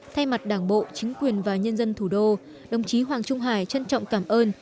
thay mặt đảng bộ chính quyền và nhân dân thủ đô đồng chí hoàng trung hải trân trọng cảm ơn